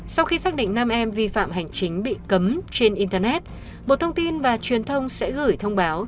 sau khi xác định nam em vi phạm hành chính bị cấm trên internet bộ thông tin và truyền thông sẽ gửi thông báo